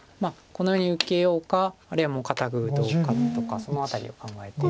このように受けようかあるいはもう堅く打とうかとかその辺りを考えて。